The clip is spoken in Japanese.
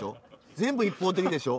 全部一方的でしょ。